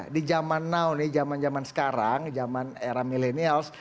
di zaman now nih zaman zaman sekarang zaman era milenials